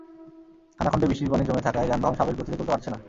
খানাখন্দে বৃষ্টির পানি জমে থাকায় যানবাহন স্বাভাবিক গতিতে চলতে পারছে না।